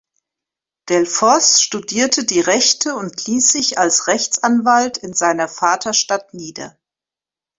Delfosse studierte die Rechte und ließ sich als Rechtsanwalt in seiner Vaterstadt nieder.